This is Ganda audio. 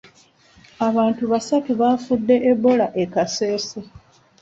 Abantu basatu bafudde Ebola e Kasese.